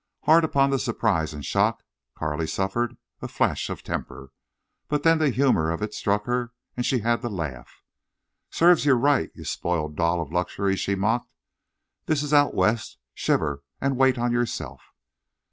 Hard upon the surprise and shock Carley suffered a flash of temper. But then the humor of it struck her and she had to laugh. "Serves you right—you spoiled doll of luxury!" she mocked. "This is out West. Shiver and wait on yourself!"